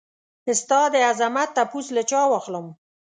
ستا دعظمت تپوس له چا واخلم؟